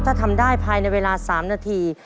ถ้าทำได้ภายในเวลา๓นาที